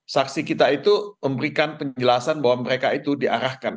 saksi kita itu memberikan penjelasan bahwa mereka itu diarahkan